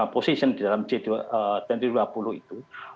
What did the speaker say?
position di dalam g dua puluh itu